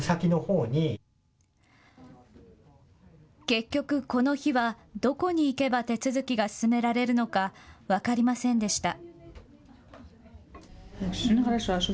結局、この日はどこに行けば手続きが進められるのか分かりませんでした。